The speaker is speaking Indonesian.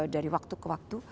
dari waktu ke waktu